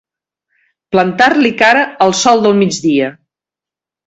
Plantar-li cara al sol del migdia.